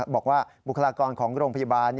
บอกว่าบุคลากรของโรงพยาบาล